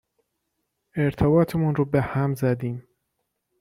ارتباطمون رو بهم زدیم